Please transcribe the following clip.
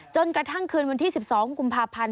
จนกระทั่งคืนวันที่๑๒กุมภาพันธ์